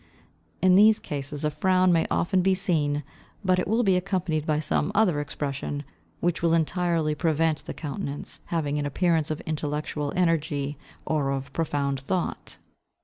In these cases a frown may often be seen, but it will be accompanied by some other expression, which will entirely prevent the countenance having an appearance of intellectual energy or of profound thought.